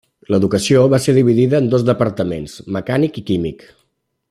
L'educació va ser dividida en dos departaments: mecànic i químic.